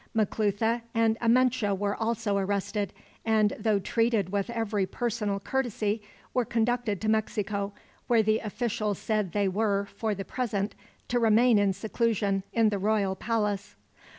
Maclutha and Amenche were also arrested, and though treated with every personal courtesy, were conducted to Mexico, where the official said they were, for the present, to remain in seclusion, in the royal palace."